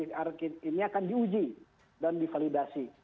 kemudian pcr kit ini akan diuji dan divalidasi